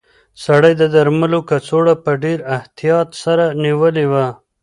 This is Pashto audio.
سړي د درملو کڅوړه په ډېر احتیاط سره نیولې وه.